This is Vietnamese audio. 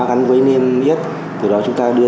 gắn với niêm yết từ đó chúng ta đưa